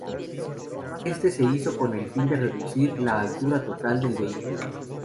Esto se hizo con el fin de reducir la altura total del vehículo.